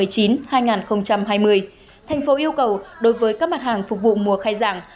tp hcm yêu cầu đối với các mặt hàng phục vụ mùa khai giảng